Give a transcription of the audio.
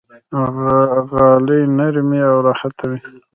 غالۍ نرمې او راحته وي.